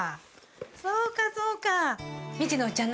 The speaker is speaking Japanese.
そうかそうか。